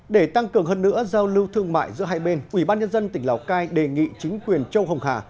để tăng cường hơn nữa giao lưu thương mại giữa hai bên ủy ban nhân dân tỉnh lào cai đề nghị chính quyền châu hồng hà